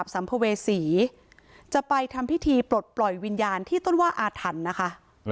สัมภเวษีจะไปทำพิธีปลดปล่อยวิญญาณที่ต้นว่าอาถรรพ์นะคะ